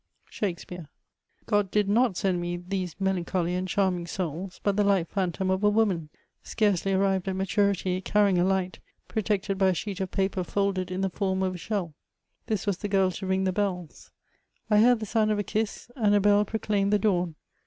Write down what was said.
(^Shakspeare.} God did not send me these melancholy and charming souls * but the light phantom of a woman, scarcely arrived at maturity carrying a light, protected by a sheet of paper folded in the form of a shell ; t£ds was the girl to ring]} the bells. I heard the sound of a kiss, and a bell proclaimed the dawn.